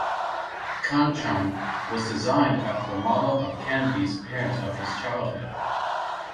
"Kanchan" was designed after the model of Kanbe's appearance of his childhood.